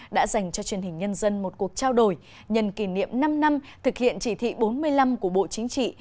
đã dành cho truyền hình nhân dân một cuộc trao đổi nhận kỷ niệm năm năm thực hiện chỉ thị bốn mươi năm của bộ chính trị